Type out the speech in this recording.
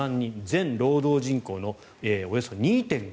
全労働人口のおよそ２．５％。